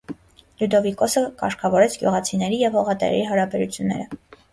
Լյուդովիկոսը կարգավորեց գյուղացիների և հողատերերի հարաբերությունները։